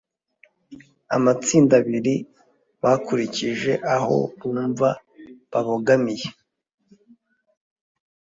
Amatsinda abiri bakurikije aho bumva babogamiye